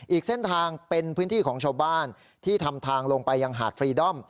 อีกเส้นทางเป็นพื้นที่ของชาวบ้านที่ทำทางลงไปยังหาดฟรีดอม